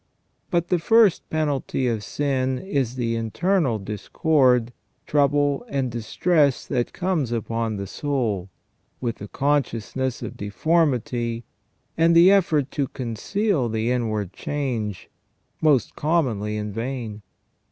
But the first penalty of sin is the internal discord, trouble, and distress that comes upon the soul, with the consciousness of deformity, and the effort to conceal the inward change, most commonly in vain.